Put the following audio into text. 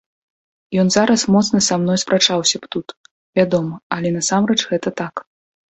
Ён зараз моцна са мной спрачаўся б тут, вядома, але насамрэч гэта так.